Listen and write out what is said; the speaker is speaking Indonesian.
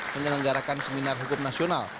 menyelenggarakan seminar hukum nasional